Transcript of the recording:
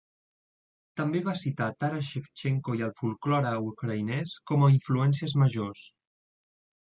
També va citar Taras Shevchenko i el folklore ucraïnès com a influències majors.